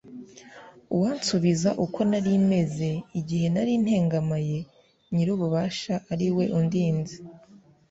uwansubiza uko nari meze, igihe nari ntengamaye, nyir'ububasha ari we undinze